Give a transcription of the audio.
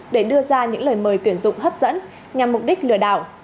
để đưa ra những lời mời tuyển dụng hấp dẫn nhằm mục đích lừa đảo